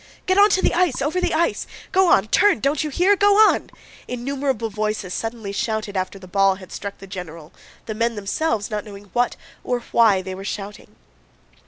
"Get onto the ice, over the ice! Go on! Turn! Don't you hear? Go on!" innumerable voices suddenly shouted after the ball had struck the general, the men themselves not knowing what, or why, they were shouting.